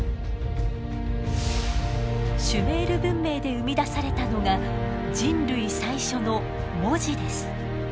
シュメール文明で生み出されたのが人類最初の文字です。